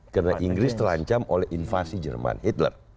karena inggris terlancam oleh invasi jerman hitler